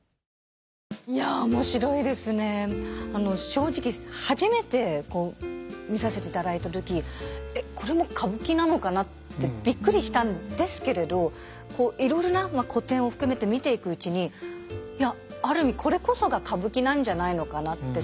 正直初めて見させていただいた時「えっこれも歌舞伎なのかな？」ってびっくりしたんですけれどいろいろな古典を含めて見ていくうちに「いやある意味これこそが歌舞伎なんじゃないのかな」って。